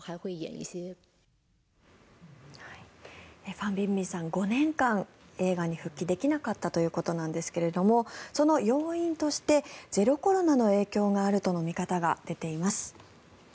ファン・ビンビンさん５年間、映画に復帰できなかったということなんですがその要因としてゼロコロナの影響があるとの見方が出ています。